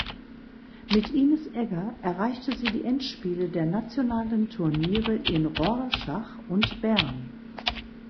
Mit Ines Egger erreichte sie die Endspiele der nationalen Turniere in Rorschach und Bern.